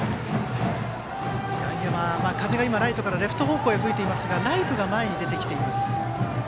風が今、ライトからレフト方向へ吹いていますがライトが前に出てきています。